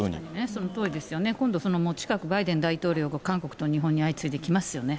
そうですよね、今度、近くバイデン大統領が韓国と日本に相次いで来ますよね。